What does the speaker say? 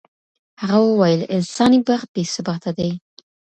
هغه وویل انساني بخت بې ثباته دی.